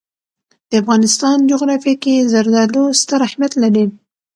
د افغانستان جغرافیه کې زردالو ستر اهمیت لري.